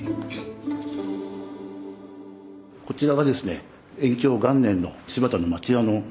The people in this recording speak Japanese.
こちらがですね